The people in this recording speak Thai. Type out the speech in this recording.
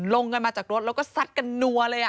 ลงกันมาจากรถแล้วก็ซัดกันนัวเลย